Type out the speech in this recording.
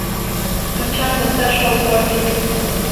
مچان د سر شاوخوا ډېر ګرځي